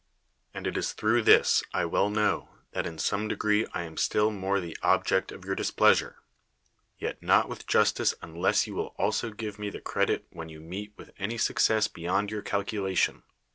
And it is through this, I well know, that in some degree I am still more the object of your displeasure; j^et not with justice unless you will also give me the credit when you meet with any success beyond your calculation.